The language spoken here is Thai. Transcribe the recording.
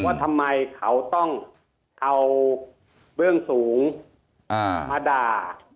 ว่าทำไมเขาต้องเอาเบื้องสูงมาด่า